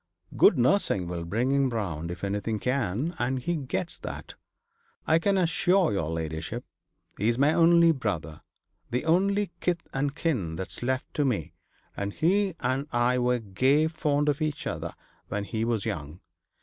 Good nursing will bring him round if anything can; and he gets that, I can assure your ladyship. He's my only brother, the only kith and kin that's left to me, and he and I were gay fond of each other when he was young.